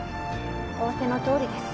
仰せのとおりです。